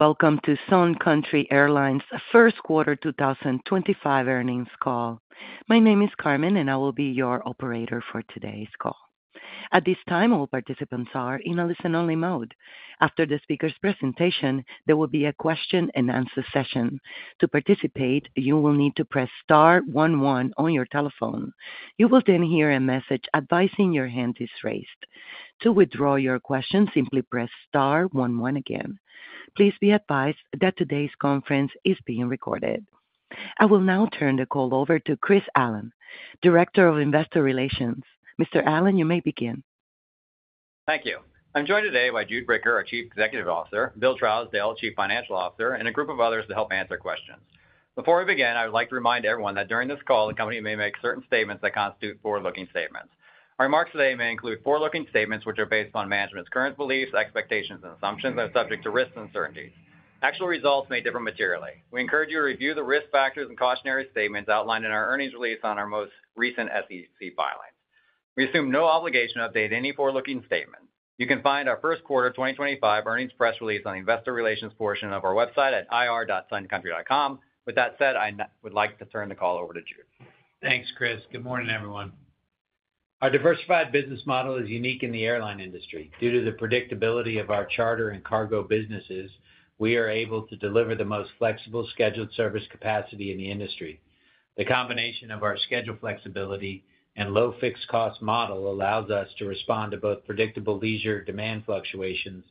Welcome to Sun Country Airlines' First Quarter 2025 Earnings call. My name is Carmen, and I will be your operator for today's call. At this time, all participants are in a listen-only mode. After the speaker's presentation, there will be a question-and-answer session. To participate, you will need to press star one one on your telephone. You will then hear a message advising your hand is raised. To withdraw your question, simply press star one one again. Please be advised that today's conference is being recorded. I will now turn the call over to Chris Allen, Director of Investor Relations. Mr. Allen, you may begin. Thank you. I'm joined today by Jude Bricker, our Chief Executive Officer; Bill Trousdale, Chief Financial Officer; and a group of others to help answer questions. Before we begin, I would like to remind everyone that during this call, the company may make certain statements that constitute forward-looking statements. Our remarks today may include forward-looking statements which are based on management's current beliefs, expectations, and assumptions, and are subject to risks and uncertainties. Actual results may differ materially. We encourage you to review the risk factors and cautionary statements outlined in our earnings release on our most recent SEC filings. We assume no obligation to update any forward-looking statement. You can find our first quarter 2025 earnings press release on the Investor Relations portion of our website at ir.suncountry.com. With that said, I would like to turn the call over to Jude. Thanks, Chris. Good morning, everyone. Our diversified business model is unique in the airline industry. Due to the predictability of our charter and cargo businesses, we are able to deliver the most flexible scheduled service capacity in the industry. The combination of our schedule flexibility and low fixed-cost model allows us to respond to both predictable leisure demand fluctuations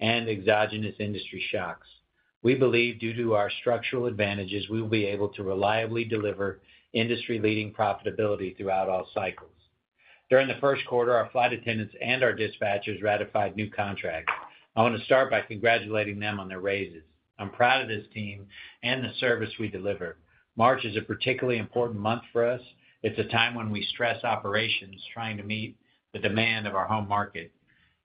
and exogenous industry shocks. We believe due to our structural advantages, we will be able to reliably deliver industry-leading profitability throughout all cycles. During the first quarter, our flight attendants and our dispatchers ratified new contracts. I want to start by congratulating them on their raises. I'm proud of this team and the service we deliver. March is a particularly important month for us. It's a time when we stress operations trying to meet the demand of our home market.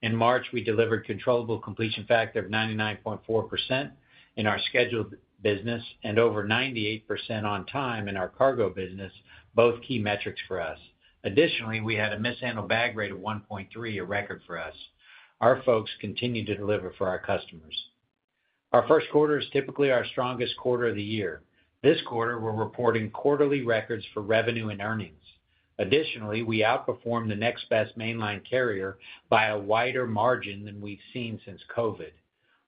In March, we delivered a controllable completion factor of 99.4% in our scheduled business and over 98% on time in our cargo business, both key metrics for us. Additionally, we had a mishandled bag rate of 1.3, a record for us. Our folks continue to deliver for our customers. Our first quarter is typically our strongest quarter of the year. This quarter, we're reporting quarterly records for revenue and earnings. Additionally, we outperformed the next best mainline carrier by a wider margin than we've seen since COVID.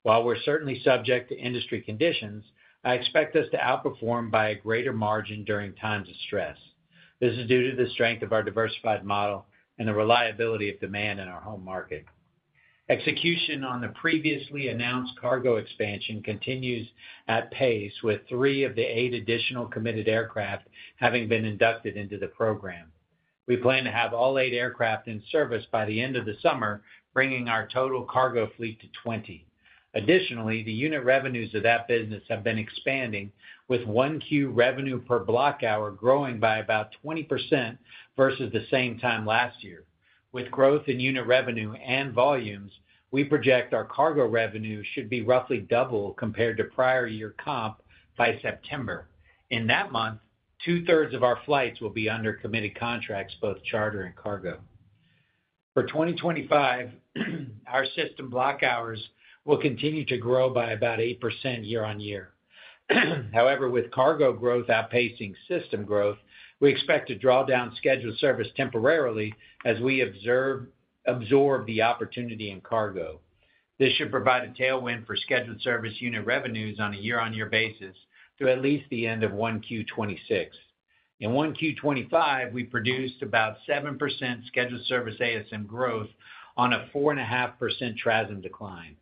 While we're certainly subject to industry conditions, I expect us to outperform by a greater margin during times of stress. This is due to the strength of our diversified model and the reliability of demand in our home market. Execution on the previously announced cargo expansion continues at pace, with three of the eight additional committed aircraft having been inducted into the program. We plan to have all eight aircraft in service by the end of the summer, bringing our total cargo fleet to 20. Additionally, the unit revenues of that business have been expanding, with 1Q revenue per block hour growing by about 20% versus the same time last year. With growth in unit revenue and volumes, we project our cargo revenue should be roughly double compared to prior year comp by September. In that month, two-thirds of our flights will be under committed contracts, both charter and cargo. For 2025, our system block hours will continue to grow by about 8% year-on-year. However, with cargo growth outpacing system growth, we expect to draw down scheduled service temporarily as we absorb the opportunity in cargo. This should provide a tailwind for scheduled service unit revenues on a year-on-year basis through at least the end of 1Q 2026. In 1Q 2025, we produced about 7% scheduled service ASM growth on a 4.5% TRAS-M decline.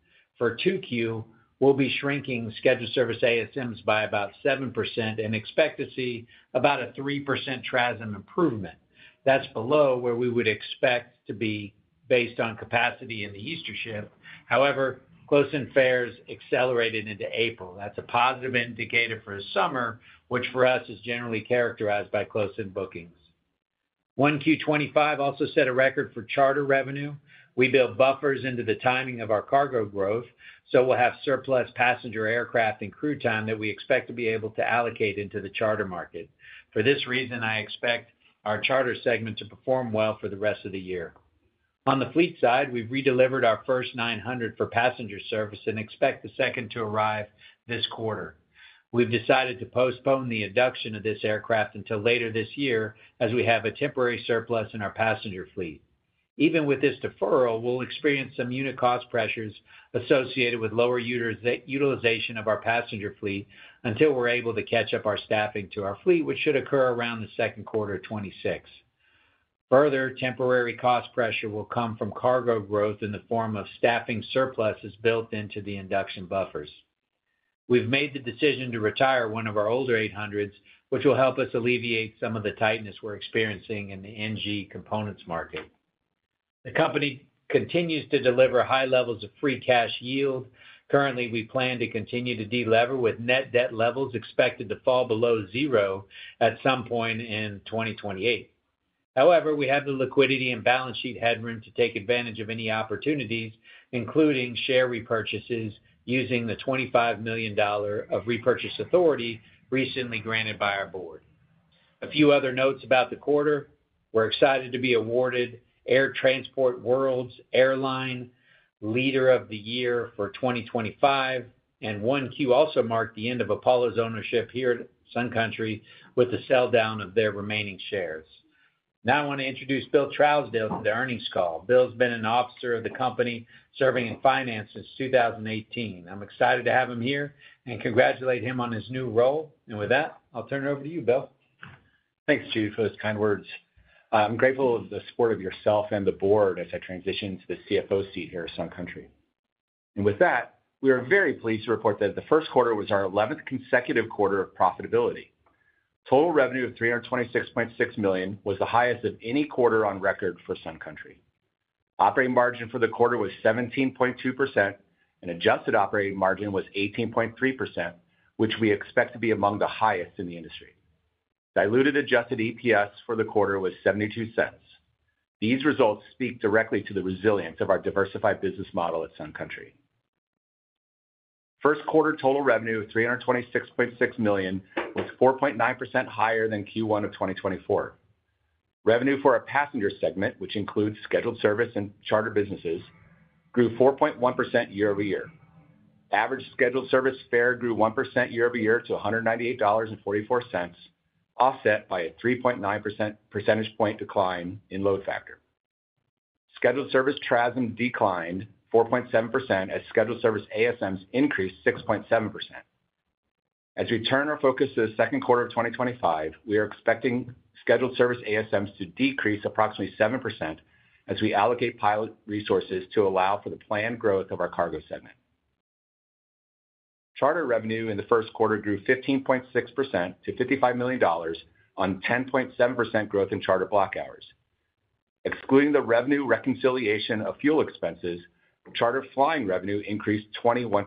For 2Q, we'll be shrinking scheduled service ASMs by about 7% and expect to see about a 3% TRAS-M improvement. That's below where we would expect to be based on capacity and the Easter shift. However, close-in fares accelerated into April. That's a positive indicator for summer, which for us is generally characterized by close-in bookings. 1Q 2025 also set a record for charter revenue. We built buffers into the timing of our cargo growth, so we'll have surplus passenger aircraft and crew time that we expect to be able to allocate into the charter market. For this reason, I expect our charter segment to perform well for the rest of the year. On the fleet side, we've redelivered our first 900 for passenger service and expect the second to arrive this quarter. We've decided to postpone the induction of this aircraft until later this year as we have a temporary surplus in our passenger fleet. Even with this deferral, we'll experience some unit cost pressures associated with lower utilization of our passenger fleet until we're able to catch up our staffing to our fleet, which should occur around the second quarter of 2026. Further, temporary cost pressure will come from cargo growth in the form of staffing surpluses built into the induction buffers. We've made the decision to retire one of our older 800s, which will help us alleviate some of the tightness we're experiencing in the NG components market. The company continues to deliver high levels of free cash yield. Currently, we plan to continue to deliver with net debt levels expected to fall below zero at some point in 2028. However, we have the liquidity and balance sheet headroom to take advantage of any opportunities, including share repurchases using the $25 million of repurchase authority recently granted by our board. A few other notes about the quarter. We're excited to be awarded Air Transport World's Airline Leader of the Year for 2025, and 1Q also marked the end of Apollo's ownership here at Sun Country with the sell-down of their remaining shares. Now I want to introduce Bill Trousdale to the earnings call. Bill's been an officer of the company serving in finance since 2018. I'm excited to have him here and congratulate him on his new role. With that, I'll turn it over to you, Bill. Thanks, Jude, for those kind words. I'm grateful of the support of yourself and the board as I transitioned to the CFO seat here at Sun Country. We are very pleased to report that the first quarter was our 11th consecutive quarter of profitability. Total revenue of $326.6 million was the highest of any quarter on record for Sun Country. Operating margin for the quarter was 17.2%, and adjusted operating margin was 18.3%, which we expect to be among the highest in the industry. Diluted adjusted EPS for the quarter was $0.72. These results speak directly to the resilience of our diversified business model at Sun Country. First quarter total revenue of $326.6 million was 4.9% higher than Q1 of 2024. Revenue for our passenger segment, which includes scheduled service and charter businesses, grew 4.1% year-over-year. Average scheduled service fare grew 1% year-over-year to $198.44, offset by a 3.9 percentage point decline in load factor. Scheduled service TRAS-M declined 4.7% as scheduled service ASMs increased 6.7%. As we turn our focus to the second quarter of 2025, we are expecting scheduled service ASMs to decrease approximately 7% as we allocate pilot resources to allow for the planned growth of our cargo segment. Charter revenue in the first quarter grew 15.6% to $55 million on 10.7% growth in charter block hours. Excluding the revenue reconciliation of fuel expenses, charter flying revenue increased 21%.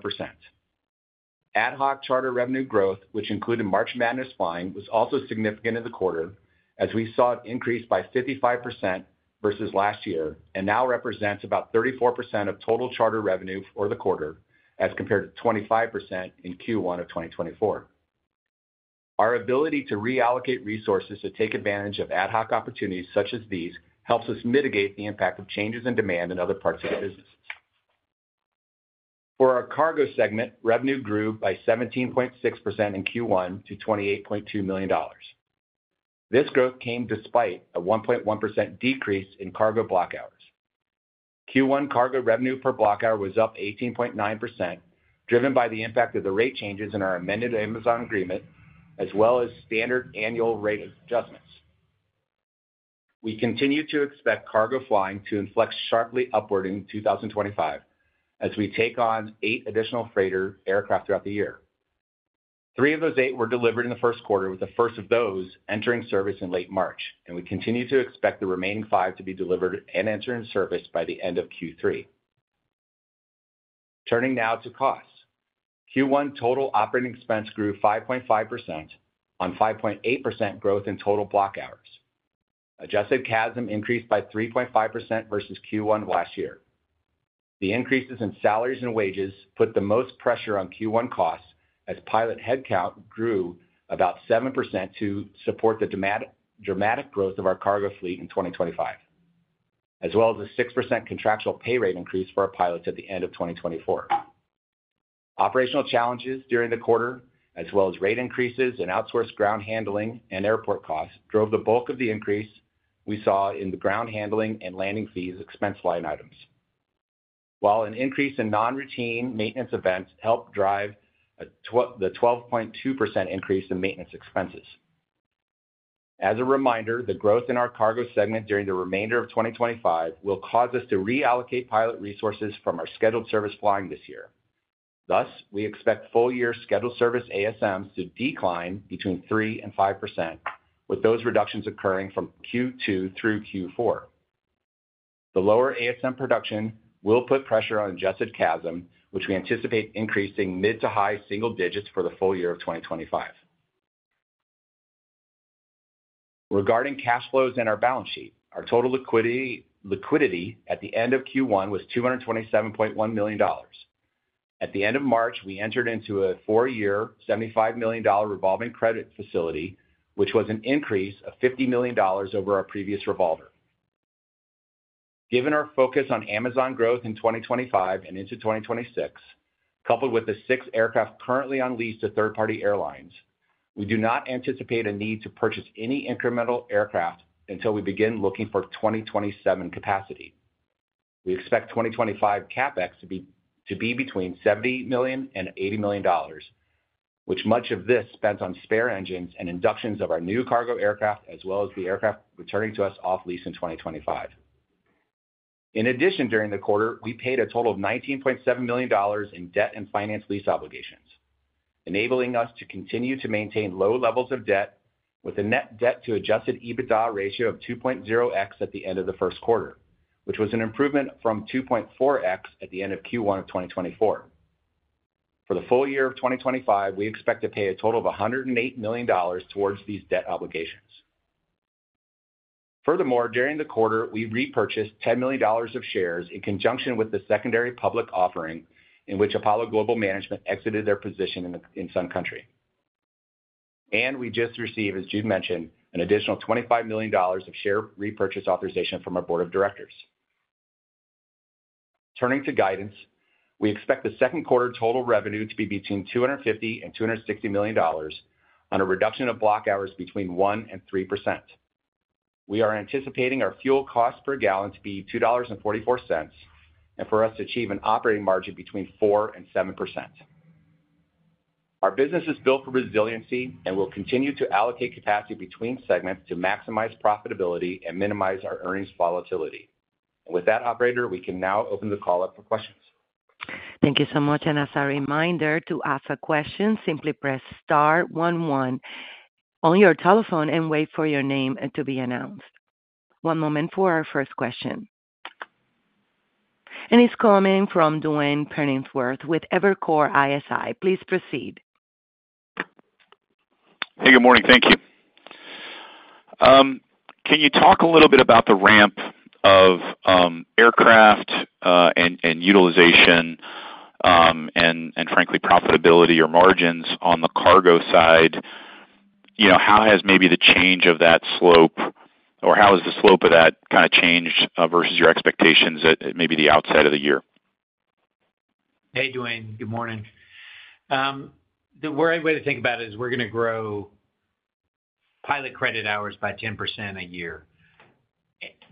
Ad hoc charter revenue growth, which included March Madness flying, was also significant in the quarter as we saw it increase by 55% versus last year and now represents about 34% of total charter revenue for the quarter as compared to 25% in Q1 of 2024. Our ability to reallocate resources to take advantage of ad hoc opportunities such as these helps us mitigate the impact of changes in demand in other parts of the business. For our cargo segment, revenue grew by 17.6% in Q1 to $28.2 million. This growth came despite a 1.1% decrease in cargo block hours. Q1 cargo revenue per block hour was up 18.9%, driven by the impact of the rate changes in our amended Amazon agreement, as well as standard annual rate adjustments. We continue to expect cargo flying to inflect sharply upward in 2025 as we take on eight additional freighter aircraft throughout the year. Three of those eight were delivered in the first quarter, with the first of those entering service in late March, and we continue to expect the remaining five to be delivered and entering service by the end of Q3. Turning now to costs. Q1 total operating expense grew 5.5% on 5.8% growth in total block hours. Adjusted CASM increased by 3.5% versus Q1 last year. The increases in salaries and wages put the most pressure on Q1 costs as pilot headcount grew about 7% to support the dramatic growth of our cargo fleet in 2025, as well as a 6% contractual pay rate increase for our pilots at the end of 2024. Operational challenges during the quarter, as well as rate increases in outsourced ground handling and airport costs, drove the bulk of the increase we saw in the ground handling and landing fees expense line items, while an increase in non-routine maintenance events helped drive the 12.2% increase in maintenance expenses. As a reminder, the growth in our cargo segment during the remainder of 2025 will cause us to reallocate pilot resources from our scheduled service flying this year. Thus, we expect full-year scheduled service ASMs to decline between 3% and 5%, with those reductions occurring from Q2 through Q4. The lower ASM production will put pressure on adjusted CASM, which we anticipate increasing mid to high single digits for the full year of 2025. Regarding cash flows in our balance sheet, our total liquidity at the end of Q1 was $227.1 million. At the end of March, we entered into a four-year $75 million revolving credit facility, which was an increase of $50 million over our previous revolver. Given our focus on Amazon growth in 2025 and into 2026, coupled with the six aircraft currently on lease to third-party airlines, we do not anticipate a need to purchase any incremental aircraft until we begin looking for 2027 capacity. We expect 2025 CapEx to be between $70 million and $80 million, with much of this spent on spare engines and inductions of our new cargo aircraft, as well as the aircraft returning to us off-lease in 2025. In addition, during the quarter, we paid a total of $19.7 million in debt and finance lease obligations, enabling us to continue to maintain low levels of debt with a net debt-to-adjusted EBITDA ratio of 2.0x at the end of the first quarter, which was an improvement from 2.4x at the end of Q1 of 2024. For the full year of 2025, we expect to pay a total of $108 million towards these debt obligations. Furthermore, during the quarter, we repurchased $10 million of shares in conjunction with the secondary public offering in which Apollo Global Management exited their position in Sun Country. We just received, as Jude mentioned, an additional $25 million of share repurchase authorization from our board of directors. Turning to guidance, we expect the second quarter total revenue to be between $250 million and $260 million on a reduction of block hours between 1% and 3%. We are anticipating our fuel cost per gallon to be $2.44 and for us to achieve an operating margin between 4% and 7%. Our business is built for resiliency and will continue to allocate capacity between segments to maximize profitability and minimize our earnings volatility. With that, operator, we can now open the call up for questions. Thank you so much. As a reminder, to ask a question, simply press star one one on your telephone and wait for your name to be announced. One moment for our first question. It is coming from Duane Pfennigwerth with Evercore ISI. Please proceed. Hey, good morning. Thank you. Can you talk a little bit about the ramp of aircraft and utilization and, frankly, profitability or margins on the cargo side? How has maybe the change of that slope or how has the slope of that kind of changed versus your expectations at maybe the outset of the year? Hey, Duane. Good morning. The right way to think about it is we're going to grow pilot credit hours by 10% a year.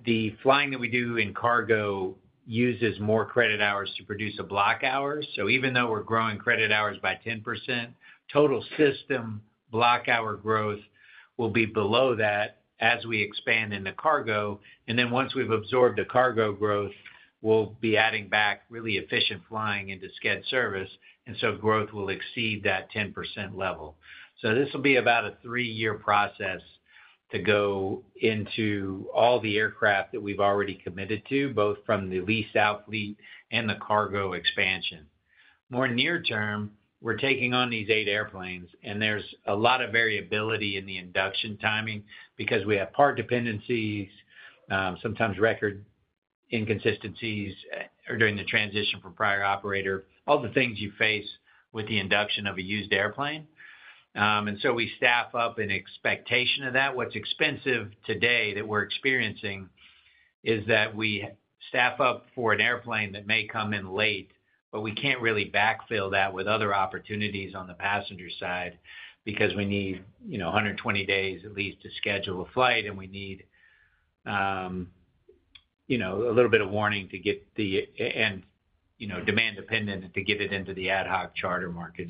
The flying that we do in cargo uses more credit hours to produce a block hour. Even though we're growing credit hours by 10%, total system block hour growth will be below that as we expand in the cargo. Once we've absorbed the cargo growth, we'll be adding back really efficient flying into sched service. Growth will exceed that 10% level. This will be about a three-year process to go into all the aircraft that we've already committed to, both from the lease outfleet and the cargo expansion. More near-term, we're taking on these eight airplanes, and there's a lot of variability in the induction timing because we have part dependencies, sometimes record inconsistencies during the transition from prior operator, all the things you face with the induction of a used airplane. We staff up in expectation of that. What's expensive today that we're experiencing is that we staff up for an airplane that may come in late, but we can't really backfill that with other opportunities on the passenger side because we need 120 days at least to schedule a flight, and we need a little bit of warning to get the and demand dependent to get it into the ad hoc charter market.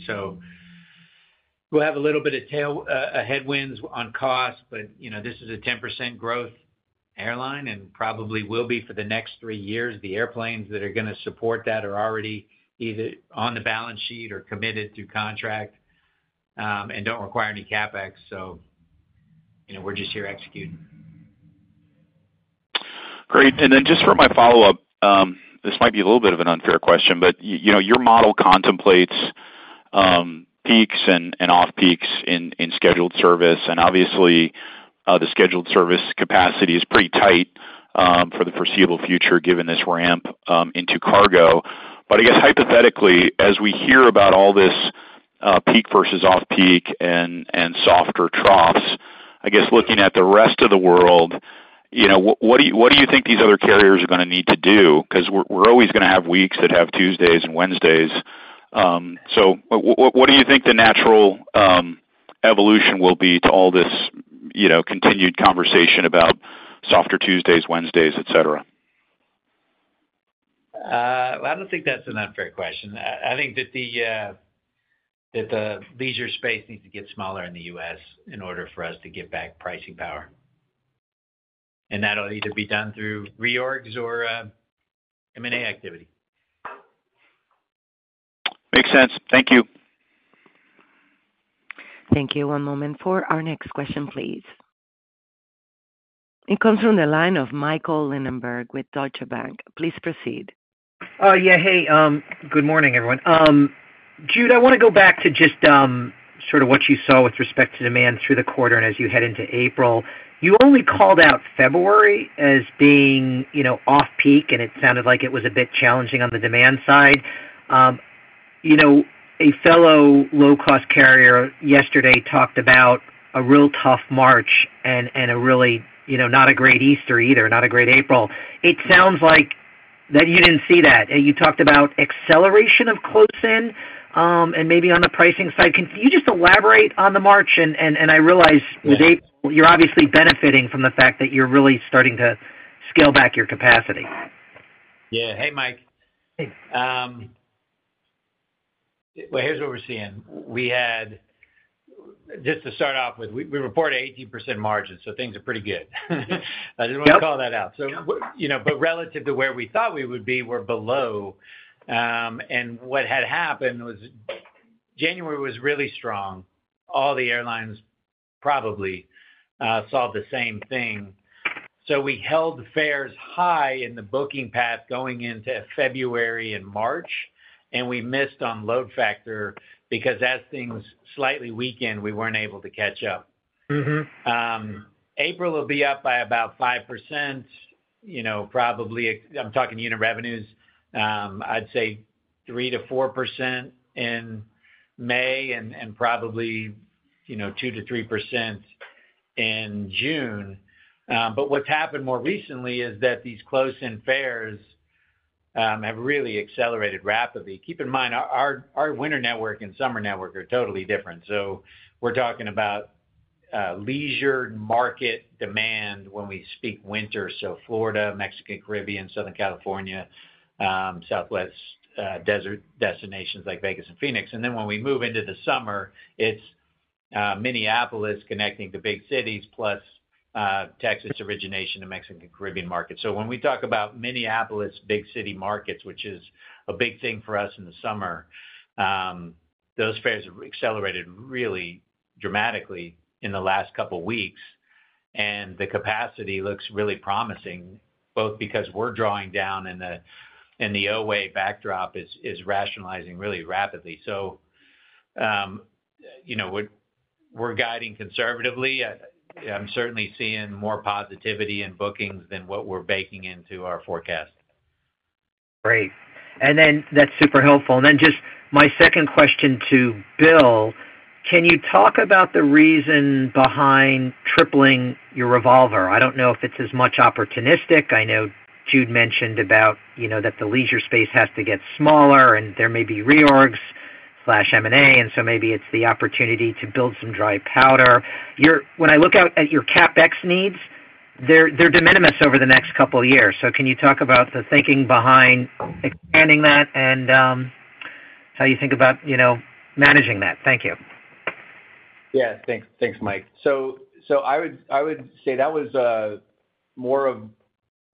We'll have a little bit of headwinds on cost, but this is a 10% growth airline and probably will be for the next three years. The airplanes that are going to support that are already either on the balance sheet or committed through contract and do not require any CapEx. We are just here executing. Great. For my follow-up, this might be a little bit of an unfair question, but your model contemplates peaks and off-peaks in scheduled service. Obviously, the scheduled service capacity is pretty tight for the foreseeable future given this ramp into cargo. I guess hypothetically, as we hear about all this peak versus off-peak and softer troughs, looking at the rest of the world, what do you think these other carriers are going to need to do? We are always going to have weeks that have Tuesdays and Wednesdays. What do you think the natural evolution will be to all this continued conversation about softer Tuesdays, Wednesdays, etc.? I don't think that's an unfair question. I think that the leisure space needs to get smaller in the U.S. in order for us to get back pricing power. That'll either be done through reorgs or M&A activity. Makes sense. Thank you. Thank you. One moment for our next question, please. It comes from the line of Michael Lindenberg with Deutsche Bank. Please proceed. Oh, yeah. Hey, good morning, everyone. Jude, I want to go back to just sort of what you saw with respect to demand through the quarter and as you head into April. You only called out February as being off-peak, and it sounded like it was a bit challenging on the demand side. A fellow low-cost carrier yesterday talked about a real tough March and a really not a great Easter either, not a great April. It sounds like that you did not see that. You talked about acceleration of close-in and maybe on the pricing side. Can you just elaborate on the March? I realize with April, you are obviously benefiting from the fact that you are really starting to scale back your capacity. Yeah. Hey, Mike. Here's what we're seeing. Just to start off with, we report an 18% margin, so things are pretty good. I just want to call that out. Relative to where we thought we would be, we're below. What had happened was January was really strong. All the airlines probably saw the same thing. We held fares high in the booking path going into February and March, and we missed on load factor because as things slightly weakened, we weren't able to catch up. April will be up by about 5%, probably. I'm talking unit revenues. I'd say 3%-4% in May and probably 2%-3% in June. What's happened more recently is that these close-in fares have really accelerated rapidly. Keep in mind, our winter network and summer network are totally different. We're talking about leisure market demand when we speak winter, so Florida, Mexican Caribbean, Southern California, Southwest desert destinations like Vegas and Phoenix. When we move into the summer, it's Minneapolis connecting the big cities plus Texas origination and Mexican Caribbean markets. When we talk about Minneapolis big city markets, which is a big thing for us in the summer, those fares have accelerated really dramatically in the last couple of weeks. The capacity looks really promising, both because we're drawing down and the OA backdrop is rationalizing really rapidly. We're guiding conservatively. I'm certainly seeing more positivity in bookings than what we're baking into our forecast. Great. That is super helpful. Just my second question to Bill, can you talk about the reason behind tripling your revolver? I do not know if it is as much opportunistic. I know Jude mentioned that the leisure space has to get smaller and there may be reorgs/M&A, and so maybe it is the opportunity to build some dry powder. When I look at your CapEx needs, they are de minimis over the next couple of years. Can you talk about the thinking behind expanding that and how you think about managing that? Thank you. Yeah. Thanks, Mike. I would say that was more of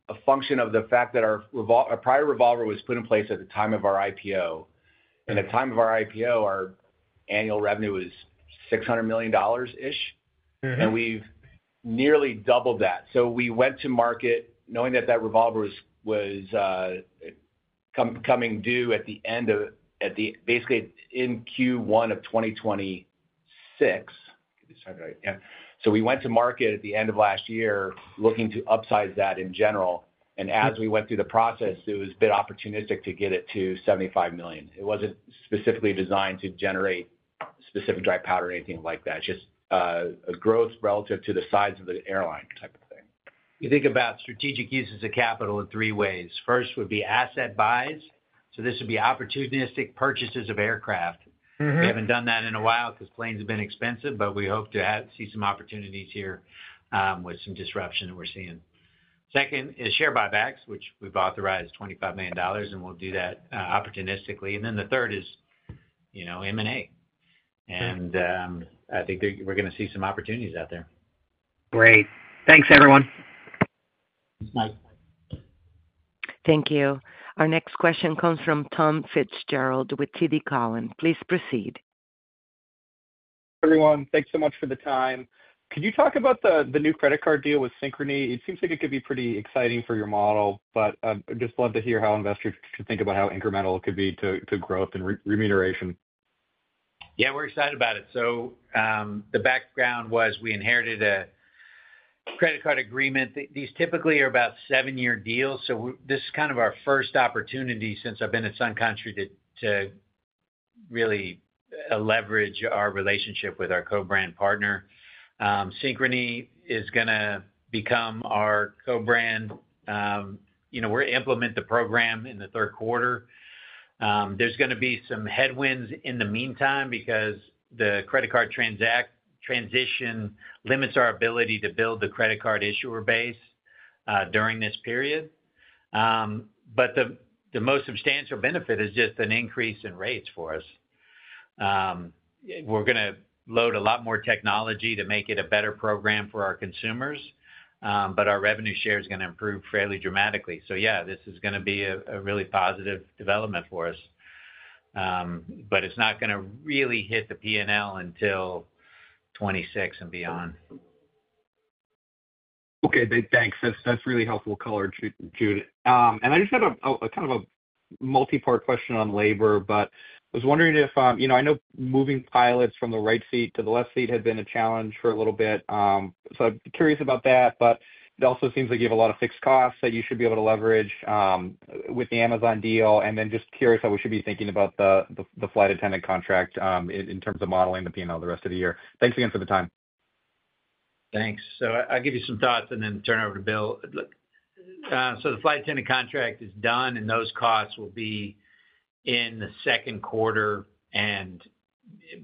a function of the fact that our prior revolver was put in place at the time of our IPO. At the time of our IPO, our annual revenue was $600 million-ish, and we've nearly doubled that. We went to market knowing that that revolver was coming due basically in Q1 of 2026. Get this right. Yeah. We went to market at the end of last year looking to upsize that in general. As we went through the process, it was a bit opportunistic to get it to $75 million. It wasn't specifically designed to generate specific dry powder or anything like that. Just a growth relative to the size of the airline type of thing. You think about strategic uses of capital in three ways. First would be asset buys. This would be opportunistic purchases of aircraft. We have not done that in a while because planes have been expensive, but we hope to see some opportunities here with some disruption that we are seeing. Second is share buybacks, which we have authorized $25 million, and we will do that opportunistically. Then the third is M&A. I think we are going to see some opportunities out there. Great. Thanks, everyone. Thanks, Mike. Thank you. Our next question comes from Tom Fitzgerald with TD Cowen. Please proceed. Hi everyone. Thanks so much for the time. Could you talk about the new credit card deal with Synchrony? It seems like it could be pretty exciting for your model, but I'd just love to hear how investors should think about how incremental it could be to growth and remuneration. Yeah, we're excited about it. The background was we inherited a credit card agreement. These typically are about seven-year deals. This is kind of our first opportunity since I've been at Sun Country to really leverage our relationship with our co-brand partner. Synchrony is going to become our co-brand. We're going to implement the program in the third quarter. There's going to be some headwinds in the meantime because the credit card transition limits our ability to build the credit card issuer base during this period. The most substantial benefit is just an increase in rates for us. We're going to load a lot more technology to make it a better program for our consumers, but our revenue share is going to improve fairly dramatically. Yeah, this is going to be a really positive development for us, but it's not going to really hit the P&L until 2026 and beyond. Okay. Thanks. That's really helpful color, Jude. I just have a kind of a multi-part question on labor, but I was wondering if I know moving pilots from the right seat to the left seat had been a challenge for a little bit. I am curious about that, but it also seems like you have a lot of fixed costs that you should be able to leverage with the Amazon deal. I am just curious how we should be thinking about the flight attendant contract in terms of modeling the P&L the rest of the year. Thanks again for the time. Thanks. I'll give you some thoughts and then turn over to Bill. The flight attendant contract is done, and those costs will be in the second quarter and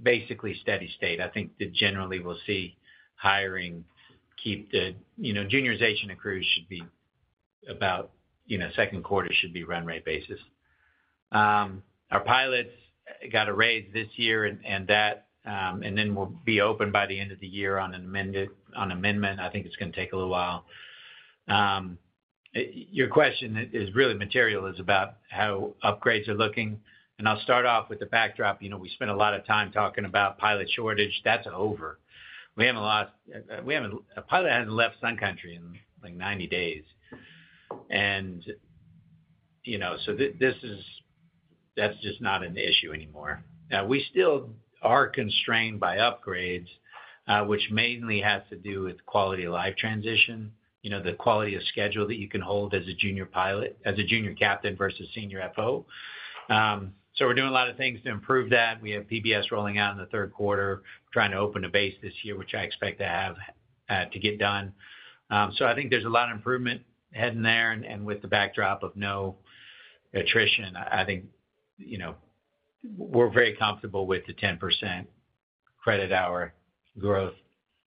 basically steady state. I think that generally we'll see hiring keep the juniors' agent accrued should be about second quarter should be run rate basis. Our pilots got a raise this year and that, and then we'll be open by the end of the year on an amendment. I think it's going to take a little while. Your question is really material is about how upgrades are looking. I'll start off with the backdrop. We spent a lot of time talking about pilot shortage. That's over. We have a lot of pilot hasn't left Sun Country in like 90 days. That's just not an issue anymore. We still are constrained by upgrades, which mainly has to do with quality of life transition, the quality of schedule that you can hold as a junior pilot, as a junior captain versus senior FO. We are doing a lot of things to improve that. We have PBS rolling out in the third quarter, trying to open a base this year, which I expect to have to get done. I think there is a lot of improvement heading there and with the backdrop of no attrition. I think we are very comfortable with the 10% credit hour growth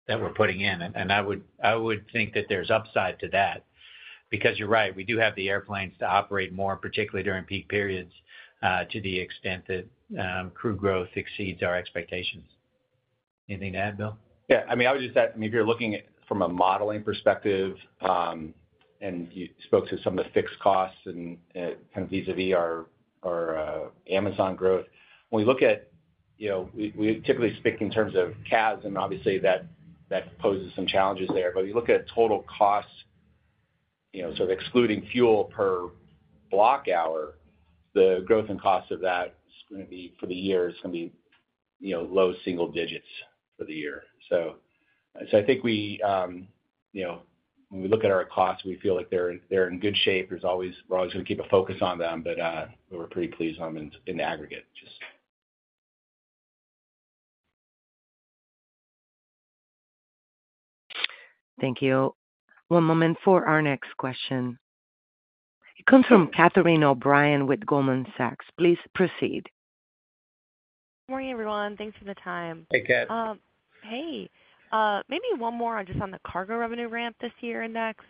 that we are putting in. I would think that there is upside to that because you are right. We do have the airplanes to operate more, particularly during peak periods to the extent that crew growth exceeds our expectations. Anything to add, Bill? Yeah. I mean, I would just add, I mean, if you're looking from a modeling perspective and you spoke to some of the fixed costs and kind of vis-à-vis our Amazon growth, when we look at we typically speak in terms of CAS, and obviously that poses some challenges there. When you look at total costs, so excluding fuel per block hour, the growth and cost of that is going to be for the year, it's going to be low single digits for the year. I think when we look at our costs, we feel like they're in good shape. We're always going to keep a focus on them, but we're pretty pleased on them in aggregate just. Thank you. One moment for our next question. It comes from Catherine O'Brien with Goldman Sachs. Please proceed. Good morning, everyone. Thanks for the time. Hey, Cat. Hey. Maybe one more just on the cargo revenue ramp this year index.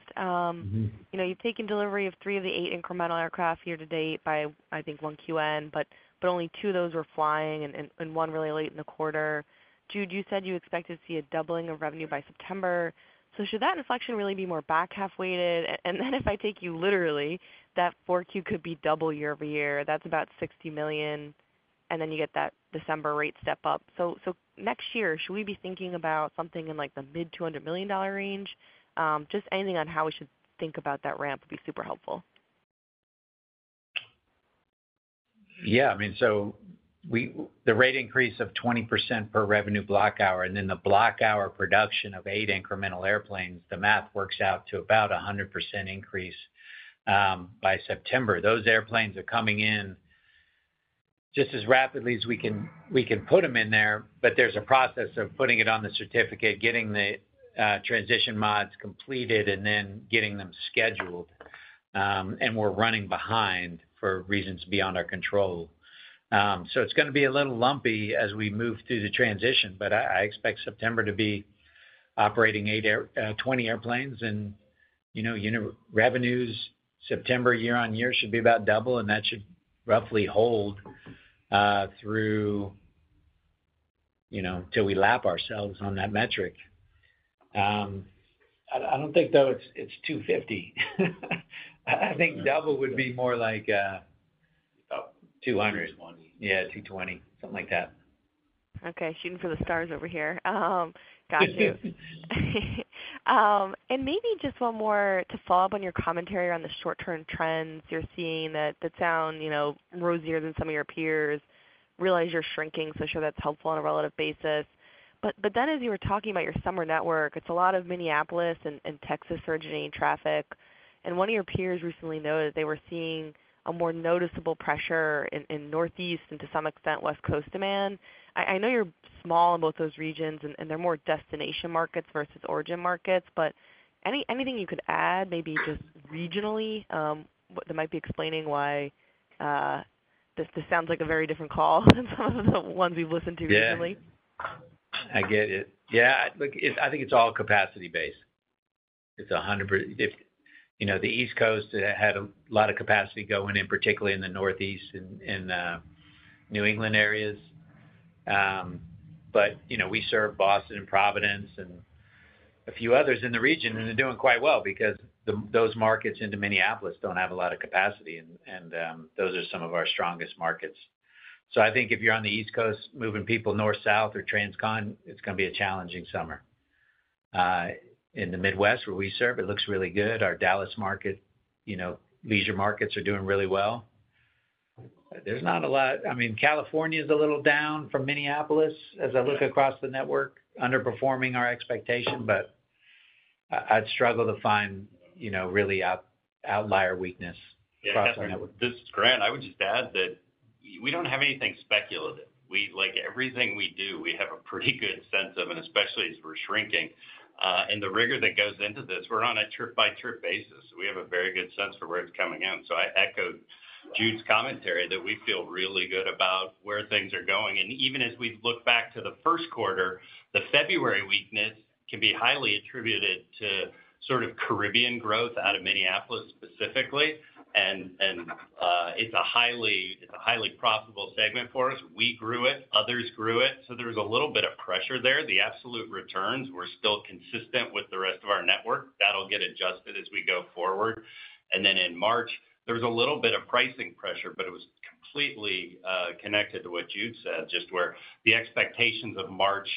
You've taken delivery of three of the eight incremental aircraft year to date by, I think, 1QN, but only two of those were flying and one really late in the quarter. Jude, you said you expected to see a doubling of revenue by September. Should that inflection really be more back half-weighted? If I take you literally, that 4Q could be double year over year. That's about $60 million, and you get that December rate step up. Next year, should we be thinking about something in the mid-$200 million range? Just anything on how we should think about that ramp would be super helpful. Yeah. I mean, the rate increase of 20% per revenue block hour and then the block hour production of eight incremental airplanes, the math works out to about a 100% increase by September. Those airplanes are coming in just as rapidly as we can put them in there, but there's a process of putting it on the certificate, getting the transition mods completed, and then getting them scheduled. We're running behind for reasons beyond our control. It is going to be a little lumpy as we move through the transition, but I expect September to be operating 20 airplanes, and revenues September year on year should be about double, and that should roughly hold through until we lap ourselves on that metric. I don't think, though, it's 250. I think double would be more like 200. 220. Yeah, 220. Something like that. Okay. Shooting for the stars over here. Gotcha. Maybe just one more to follow up on your commentary on the short-term trends you're seeing that sound rosier than some of your peers. I realize you're shrinking, so sure that's helpful on a relative basis. As you were talking about your summer network, it's a lot of Minneapolis and Texas originating traffic. One of your peers recently noted they were seeing a more noticeable pressure in Northeast and to some extent West Coast demand. I know you're small in both those regions, and they're more destination markets versus origin markets, but anything you could add, maybe just regionally, that might be explaining why this sounds like a very different call than some of the ones we've listened to recently? Yeah. I get it. Yeah. Look, I think it's all capacity-based. It's 100%. The East Coast had a lot of capacity going in, particularly in the Northeast and New England areas. We serve Boston and Providence and a few others in the region, and they're doing quite well because those markets into Minneapolis don't have a lot of capacity, and those are some of our strongest markets. I think if you're on the East Coast moving people north-south or transcontinental, it's going to be a challenging summer. In the Midwest, where we serve, it looks really good. Our Dallas market, leisure markets are doing really well. There's not a lot, I mean, California is a little down from Minneapolis as I look across the network, underperforming our expectation, but I'd struggle to find really outlier weakness across our network. Yeah. Grant, I would just add that we do not have anything speculative. Everything we do, we have a pretty good sense of, and especially as we are shrinking. The rigor that goes into this, we are on a trip-by-trip basis. We have a very good sense for where it is coming in. I echo Jude's commentary that we feel really good about where things are going. Even as we look back to the first quarter, the February weakness can be highly attributed to sort of Caribbean growth out of Minneapolis specifically. It is a highly profitable segment for us. We grew it. Others grew it. There was a little bit of pressure there. The absolute returns were still consistent with the rest of our network. That will get adjusted as we go forward. In March, there was a little bit of pricing pressure, but it was completely connected to what Jude said, just where the expectations of March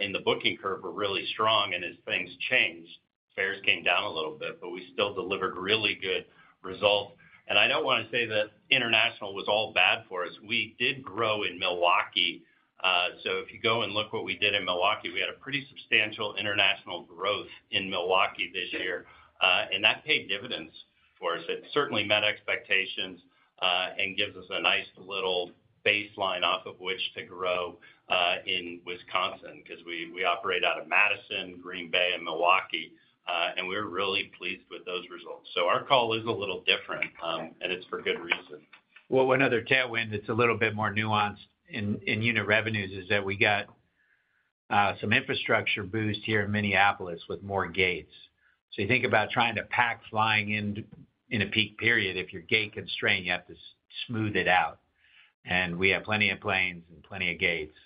in the booking curve were really strong. As things changed, fares came down a little bit, but we still delivered really good results. I do not want to say that international was all bad for us. We did grow in Milwaukee. If you go and look at what we did in Milwaukee, we had pretty substantial international growth in Milwaukee this year. That paid dividends for us. It certainly met expectations and gives us a nice little baseline off of which to grow in Wisconsin because we operate out of Madison, Green Bay, and Milwaukee. We are really pleased with those results. Our call is a little different, and it is for good reason. One other tailwind that's a little bit more nuanced in unit revenues is that we got some infrastructure boost here in Minneapolis with more gates. You think about trying to pack flying in a peak period, if you're gate constrained, you have to smooth it out. We have plenty of planes and plenty of gates.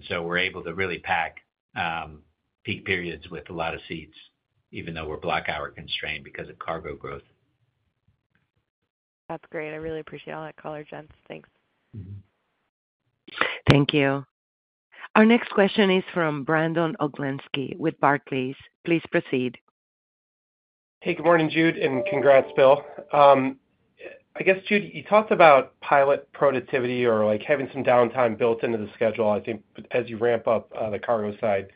We are able to really pack peak periods with a lot of seats, even though we're block hour constrained because of cargo growth. That's great. I really appreciate all that color, gents. Thanks. Thank you. Our next question is from Brandon Oglenski with Barclays. Please proceed. Hey, good morning, Jude, and congrats, Bill. I guess, Jude, you talked about pilot productivity or having some downtime built into the schedule, I think, as you ramp up the cargo side.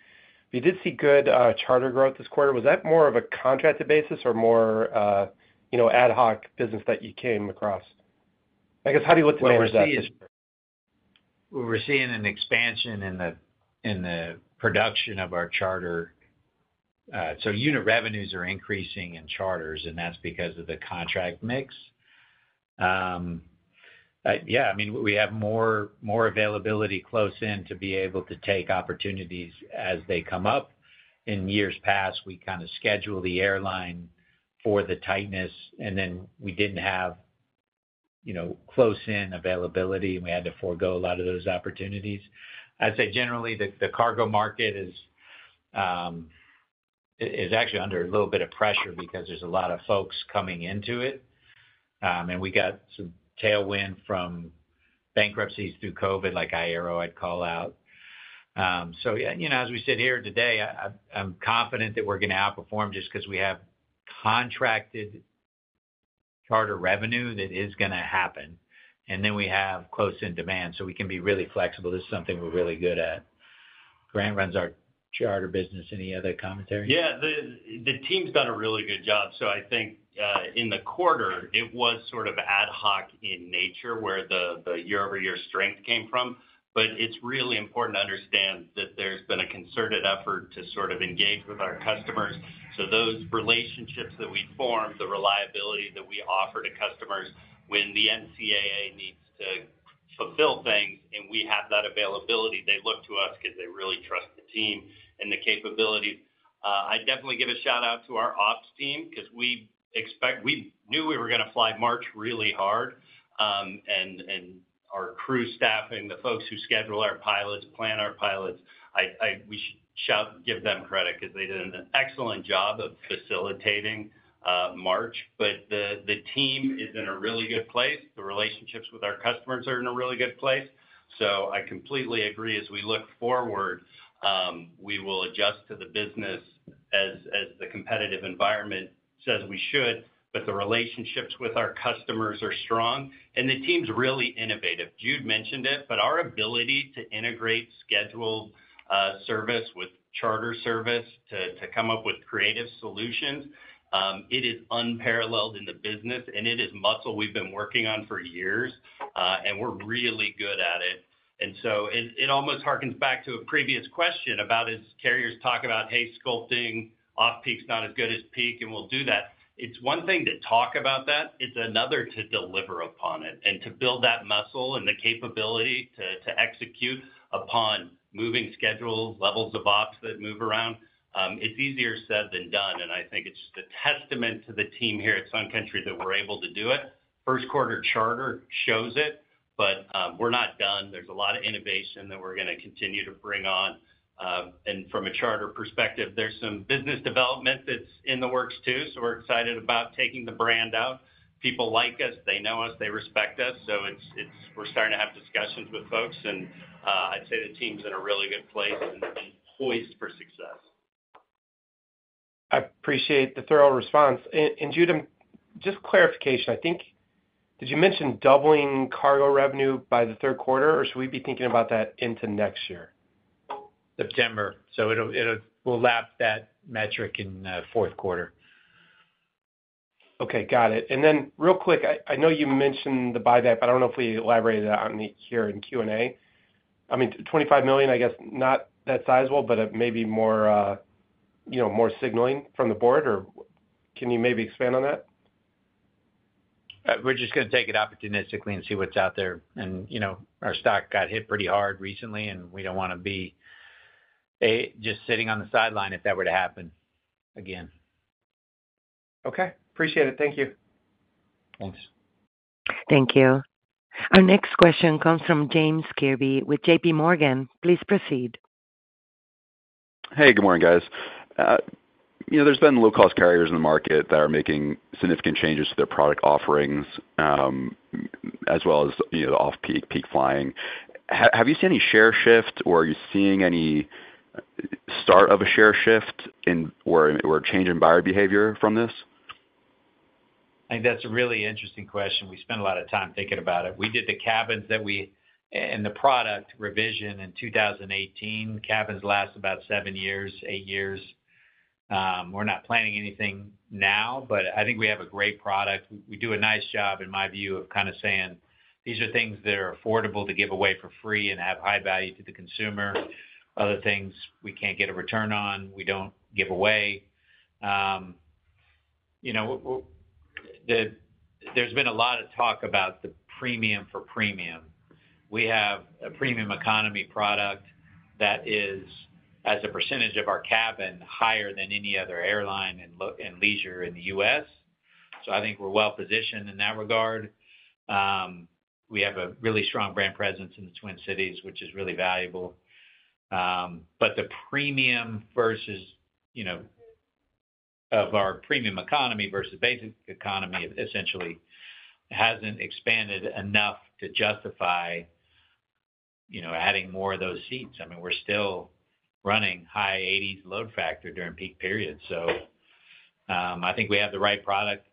You did see good charter growth this quarter. Was that more of a contracted basis or more ad hoc business that you came across? I guess, how do you look at the manifest? What we're seeing is we're seeing an expansion in the production of our charter. Unit revenues are increasing in charters, and that's because of the contract mix. Yeah. I mean, we have more availability close in to be able to take opportunities as they come up. In years past, we kind of schedule the airline for the tightness, and then we didn't have close-in availability, and we had to forego a lot of those opportunities. I'd say generally, the cargo market is actually under a little bit of pressure because there's a lot of folks coming into it. We got some tailwind from bankruptcies through COVID, like iAero I'd call out. As we sit here today, I'm confident that we're going to outperform just because we have contracted charter revenue that is going to happen, and then we have close-in demand. We can be really flexible. This is something we're really good at. Grant runs our charter business. Any other commentary? Yeah. The team's done a really good job. I think in the quarter, it was sort of ad hoc in nature where the year-over-year strength came from. It is really important to understand that there's been a concerted effort to sort of engage with our customers. Those relationships that we formed, the reliability that we offer to customers when the NCAA needs to fulfill things, and we have that availability, they look to us because they really trust the team and the capabilities. I definitely give a shout-out to our ops team because we knew we were going to fly March really hard. Our crew staffing, the folks who schedule our pilots, plan our pilots, we should give them credit because they did an excellent job of facilitating March. The team is in a really good place. The relationships with our customers are in a really good place. I completely agree as we look forward, we will adjust to the business as the competitive environment says we should, but the relationships with our customers are strong. The team's really innovative. Jude mentioned it, but our ability to integrate scheduled service with charter service to come up with creative solutions, it is unparalleled in the business, and it is muscle we've been working on for years, and we're really good at it. It almost harkens back to a previous question about as carriers talk about, "Hey, sculpting off-peak's not as good as peak, and we'll do that." It's one thing to talk about that. It's another to deliver upon it and to build that muscle and the capability to execute upon moving schedules, levels of ops that move around. It's easier said than done, and I think it's just a testament to the team here at Sun Country that we're able to do it. First quarter charter shows it, but we're not done. There's a lot of innovation that we're going to continue to bring on. From a charter perspective, there's some business development that's in the works too. We're excited about taking the brand out. People like us. They know us. They respect us. We're starting to have discussions with folks, and I'd say the team's in a really good place and poised for success. I appreciate the thorough response. Jude, just clarification. Did you mention doubling cargo revenue by the third quarter, or should we be thinking about that into next year? September. It will lap that metric in the fourth quarter. Okay. Got it. Real quick, I know you mentioned the buyback, but I do not know if we elaborated on it here in Q&A. I mean, $25 million, I guess, not that sizable, but maybe more signaling from the board, or can you maybe expand on that? We're just going to take it opportunistically and see what's out there. Our stock got hit pretty hard recently, and we don't want to be just sitting on the sideline if that were to happen again. Okay. Appreciate it. Thank you. Thanks. Thank you. Our next question comes from James Kirby with JPMorgan. Please proceed. Hey, good morning, guys. There have been low-cost carriers in the market that are making significant changes to their product offerings as well as off-peak, peak flying. Have you seen any share shift, or are you seeing any start of a share shift or a change in buyer behavior from this? I think that's a really interesting question. We spent a lot of time thinking about it. We did the cabins that we and the product revision in 2018. Cabins last about seven years, eight years. We're not planning anything now, but I think we have a great product. We do a nice job, in my view, of kind of saying, "These are things that are affordable to give away for free and have high value to the consumer. Other things we can't get a return on. We don't give away." There's been a lot of talk about the premium for premium. We have a premium economy product that is, as a percentage of our cabin, higher than any other airline and leisure in the U.S. I think we're well-positioned in that regard. We have a really strong brand presence in the Twin Cities, which is really valuable. The premium of our premium economy versus basic economy essentially has not expanded enough to justify adding more of those seats. I mean, we are still running high 80s load factor during peak periods. I think we have the right product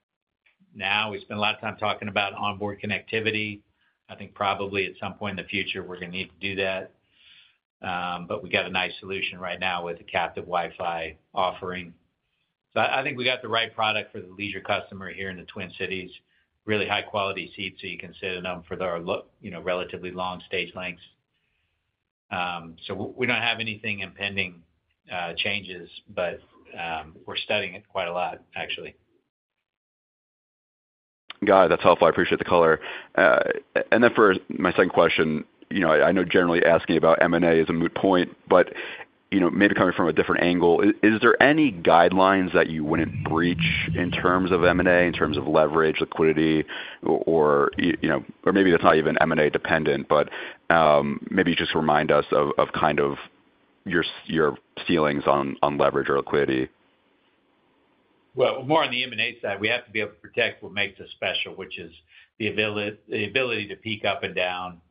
now. We spend a lot of time talking about onboard connectivity. I think probably at some point in the future, we are going to need to do that. We have a nice solution right now with a captive Wi-Fi offering. I think we have the right product for the leisure customer here in the Twin Cities. Really high-quality seats that you can sit in for their relatively long stage lengths. We do not have any impending changes, but we are studying it quite a lot, actually. Got it. That's helpful. I appreciate the color. For my second question, I know generally asking about M&A is a moot point, but maybe coming from a different angle, is there any guidelines that you wouldn't breach in terms of M&A, in terms of leverage, liquidity, or maybe that's not even M&A dependent, but maybe just remind us of kind of your ceilings on leverage or liquidity? More on the M&A side, we have to be able to protect what makes us special, which is the ability to peak up and down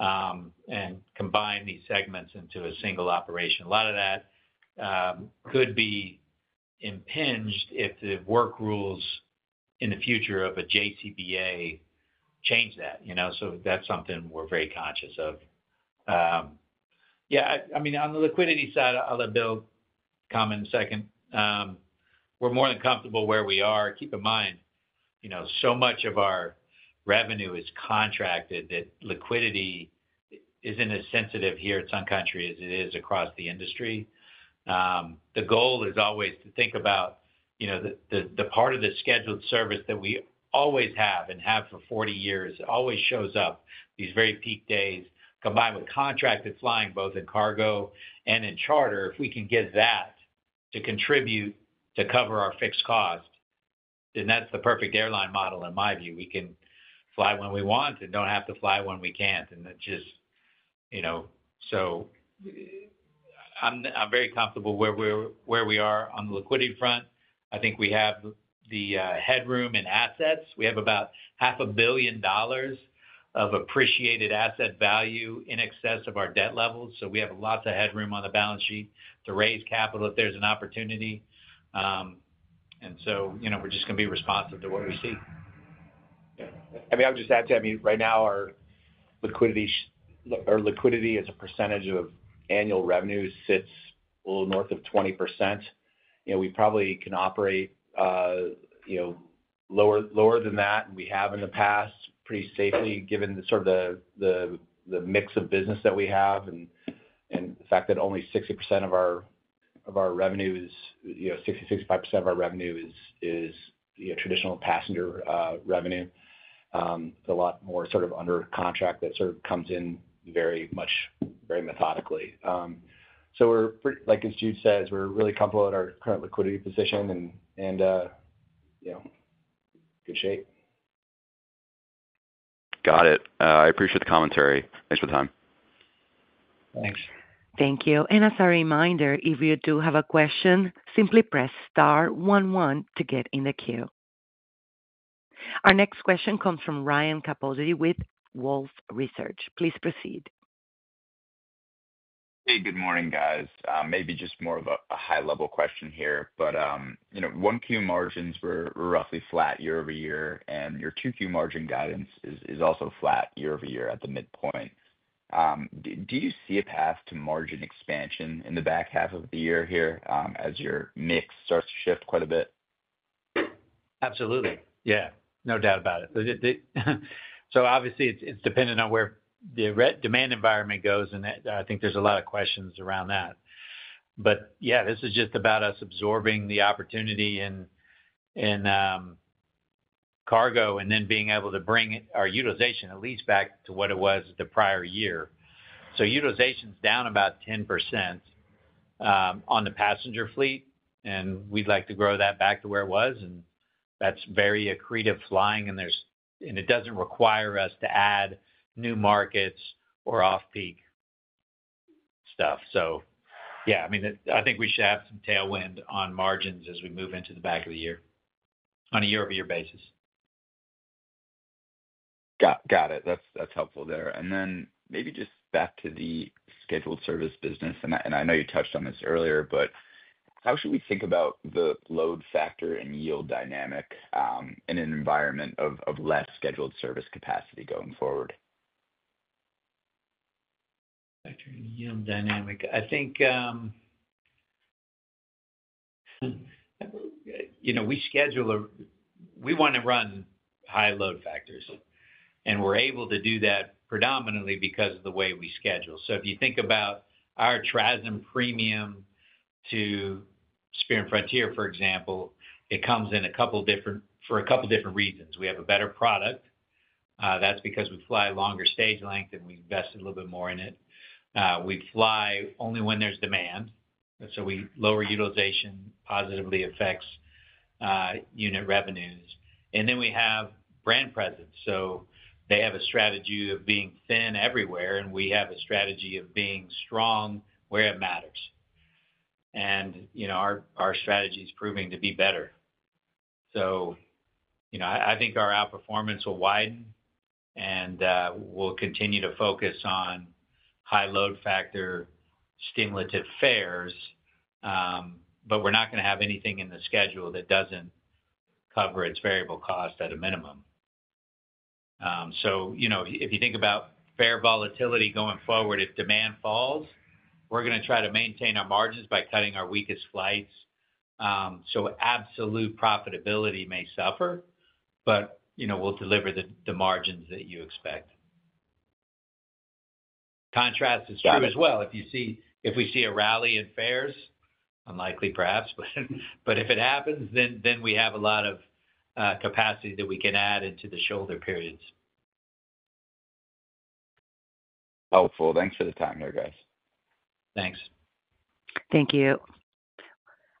and combine these segments into a single operation. A lot of that could be impinged if the work rules in the future of a JCBA change that. That is something we are very conscious of. Yeah. I mean, on the liquidity side, I'll let Bill comment in a second. We are more than comfortable where we are. Keep in mind, so much of our revenue is contracted that liquidity is not as sensitive here at Sun Country as it is across the industry. The goal is always to think about the part of the scheduled service that we always have and have for 40 years. It always shows up these very peak days combined with contracted flying, both in cargo and in charter. If we can get that to contribute to cover our fixed cost, then that's the perfect airline model, in my view. We can fly when we want and do not have to fly when we cannot. It just, I am very comfortable where we are on the liquidity front. I think we have the headroom in assets. We have about $500 million of appreciated asset value in excess of our debt levels. We have lots of headroom on the balance sheet to raise capital if there is an opportunity. We are just going to be responsive to what we see. Yeah. I mean, I'll just add to that. I mean, right now, our liquidity as a percentage of annual revenue sits a little north of 20%. We probably can operate lower than that, and we have in the past pretty safely given sort of the mix of business that we have and the fact that only 60% of our revenues, 60-65% of our revenue is traditional passenger revenue. It's a lot more sort of under contract that sort of comes in very methodically. Like Jude says, we're really comfortable at our current liquidity position and in good shape. Got it. I appreciate the commentary. Thanks for the time. Thanks. Thank you. As a reminder, if you do have a question, simply press star one one to get in the queue. Our next question comes from Ryan Capozzi with Wolfe Research. Please proceed. Hey, good morning, guys. Maybe just more of a high-level question here, but 1Q margins were roughly flat year over year, and your 2Q margin guidance is also flat year over year at the midpoint. Do you see a path to margin expansion in the back half of the year here as your mix starts to shift quite a bit? Absolutely. Yeah. No doubt about it. Obviously, it's dependent on where the demand environment goes, and I think there's a lot of questions around that. Yeah, this is just about us absorbing the opportunity in cargo and then being able to bring our utilization at least back to what it was the prior year. Utilization's down about 10% on the passenger fleet, and we'd like to grow that back to where it was. That's very accretive flying, and it doesn't require us to add new markets or off-peak stuff. Yeah, I mean, I think we should have some tailwind on margins as we move into the back of the year on a year-over-year basis. Got it. That's helpful there. Maybe just back to the scheduled service business. I know you touched on this earlier, but how should we think about the load factor and yield dynamic in an environment of less scheduled service capacity going forward? Factor and yield dynamic. I think we schedule a we want to run high load factors, and we're able to do that predominantly because of the way we schedule. If you think about our TRAS-M premium to Spirit and Frontier, for example, it comes in a couple of different for a couple of different reasons. We have a better product. That's because we fly longer stage length, and we invest a little bit more in it. We fly only when there's demand. Lower utilization positively affects unit revenues. We have brand presence. They have a strategy of being thin everywhere, and we have a strategy of being strong where it matters. Our strategy is proving to be better. I think our outperformance will widen, and we'll continue to focus on high load factor stimulative fares, but we're not going to have anything in the schedule that doesn't cover its variable cost at a minimum. If you think about fare volatility going forward, if demand falls, we're going to try to maintain our margins by cutting our weakest flights. Absolute profitability may suffer, but we'll deliver the margins that you expect. The contrast is true as well. If we see a rally in fares, unlikely perhaps, but if it happens, then we have a lot of capacity that we can add into the shoulder periods. Helpful. Thanks for the time there, guys. Thanks. Thank you.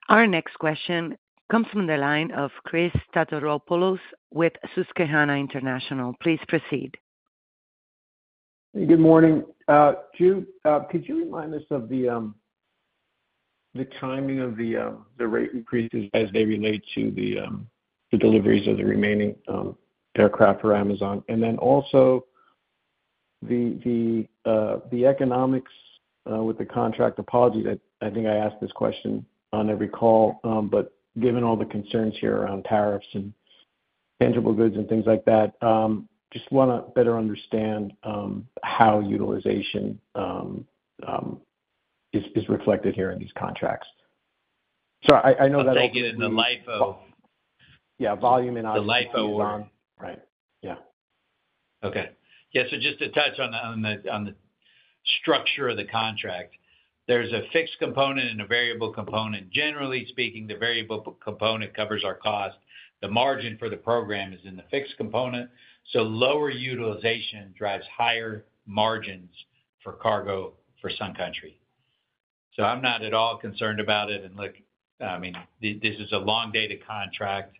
Our next question comes from the line of Chris Tataropoulos with Susquehanna International. Please proceed. Hey, good morning. Jude, could you remind us of the timing of the rate increases as they relate to the deliveries of the remaining aircraft for Amazon? Also, the economics with the contract. Apologies. I think I ask this question on every call, but given all the concerns here around tariffs and tangible goods and things like that, just want to better understand how utilization is reflected here in these contracts. I know that. I think in the life of. Yeah, volume and ISO. The life of. Right. Yeah. Okay. Yeah. Just to touch on the structure of the contract, there's a fixed component and a variable component. Generally speaking, the variable component covers our cost. The margin for the program is in the fixed component. Lower utilization drives higher margins for cargo for Sun Country. I'm not at all concerned about it. I mean, this is a long-dated contract.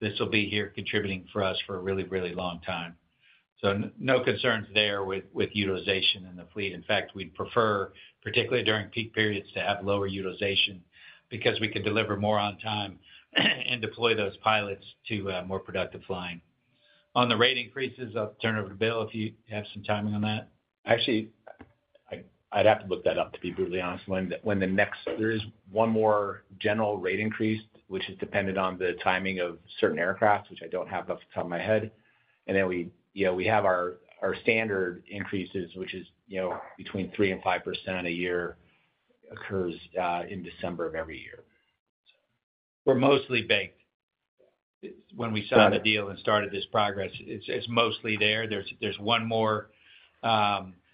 This will be here contributing for us for a really, really long time. No concerns there with utilization in the fleet. In fact, we'd prefer, particularly during peak periods, to have lower utilization because we can deliver more on time and deploy those pilots to more productive flying. On the rate increases, I'll turn over to Bill if you have some timing on that. Actually, I'd have to look that up to be brutally honest. There is one more general rate increase, which is dependent on the timing of certain aircraft, which I don't have off the top of my head. Then we have our standard increases, which is between 3% and 5% a year, occurs in December of every year. We're mostly baked. When we signed the deal and started this progress, it's mostly there. There's one more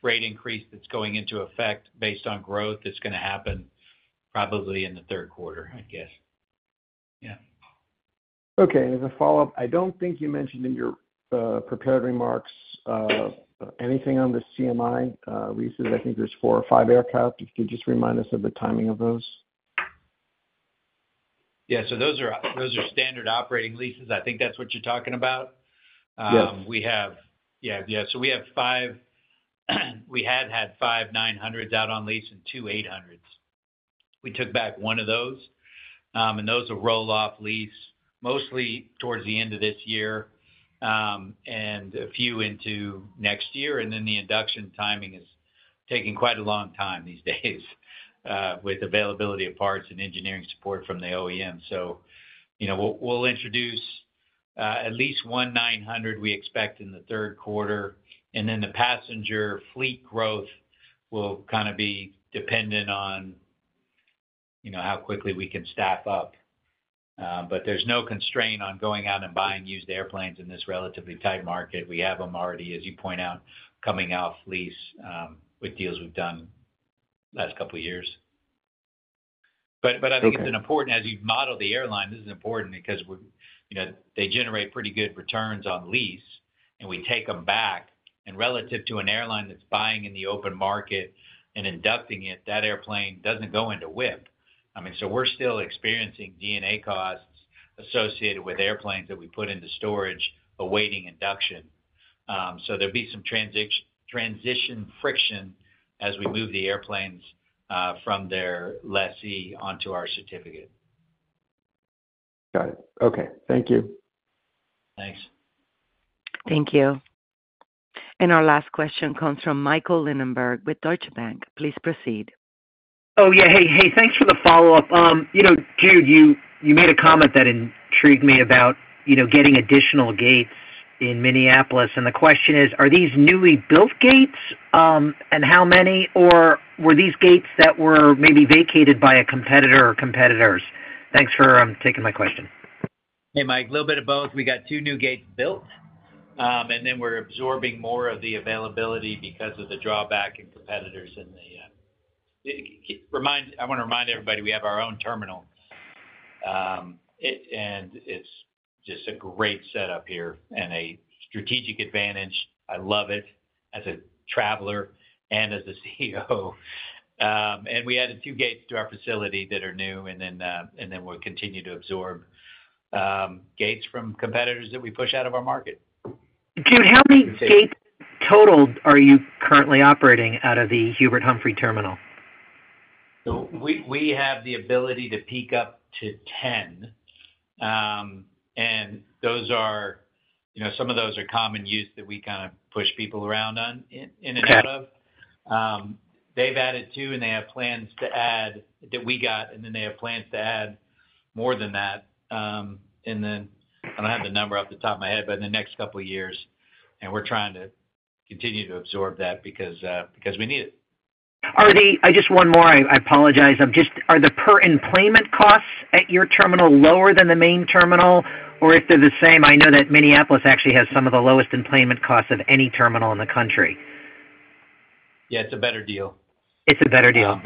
rate increase that's going into effect based on growth that's going to happen probably in the third quarter, I guess. Yeah. Okay. As a follow-up, I do not think you mentioned in your prepared remarks anything on the CMI leases. I think there are four or five aircraft. Could you just remind us of the timing of those? Yeah. Those are standard operating leases. I think that's what you're talking about. Yeah. Yeah. Yeah. We have five; we had had five 900s out on lease and two 800s. We took back one of those, and those are roll-off lease, mostly towards the end of this year and a few into next year. The induction timing is taking quite a long time these days with availability of parts and engineering support from the OEM. We will introduce at least one 900 we expect in the third quarter. The passenger fleet growth will kind of be dependent on how quickly we can staff up. There is no constraint on going out and buying used airplanes in this relatively tight market. We have them already, as you point out, coming off lease with deals we have done the last couple of years. I think it's important—as you model the airline, this is important because they generate pretty good returns on lease, and we take them back. Relative to an airline that's buying in the open market and inducting it, that airplane doesn't go into WIP. I mean, so we're still experiencing DNA costs associated with airplanes that we put into storage awaiting induction. There will be some transition friction as we move the airplanes from their lessee onto our certificate. Got it. Okay. Thank you. Thanks. Thank you. Our last question comes from Michael Linenberg with Deutsche Bank. Please proceed. Oh, yeah. Hey, thanks for the follow-up. Jude, you made a comment that intrigued me about getting additional gates in Minneapolis. The question is, are these newly built gates and how many, or were these gates that were maybe vacated by a competitor or competitors? Thanks for taking my question. Hey, Mike. A little bit of both. We got two new gates built, and then we're absorbing more of the availability because of the drawback in competitors in the—I want to remind everybody we have our own terminal, and it's just a great setup here and a strategic advantage. I love it as a traveler and as a CEO. We added two gates to our facility that are new, and then we'll continue to absorb gates from competitors that we push out of our market. Jude, how many gates total are you currently operating out of the Hubert Humphrey Terminal? We have the ability to peak up to 10, and some of those are common use that we kind of push people around on in and out of. They have added two, and they have plans to add that we got, and then they have plans to add more than that. I do not have the number off the top of my head, but in the next couple of years, and we are trying to continue to absorb that because we need it. I just—one more. I apologize. Are the per employment costs at your terminal lower than the main terminal, or if they're the same? I know that Minneapolis actually has some of the lowest employment costs of any terminal in the country. Yeah. It's a better deal. It's a better deal.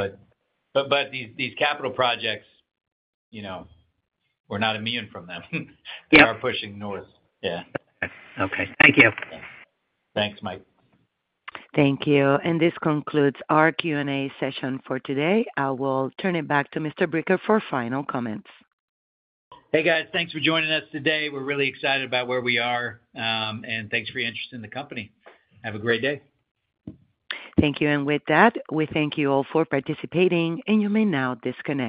These capital projects, we're not immune from them. We are pushing north. Yeah. Okay. Thank you. Thanks, Mike. Thank you. This concludes our Q&A session for today. I will turn it back to Mr. Bricker for final comments. Hey, guys. Thanks for joining us today. We're really excited about where we are, and thanks for your interest in the company. Have a great day. Thank you. With that, we thank you all for participating, and you may now disconnect.